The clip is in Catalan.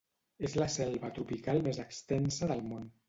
És la selva tropical més extensa del món.